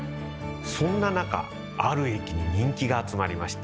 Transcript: そんな中ある駅に人気が集まりました。